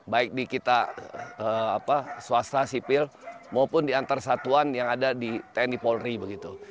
baik di kita swasta sipil maupun di antar satuan yang ada di tni polri begitu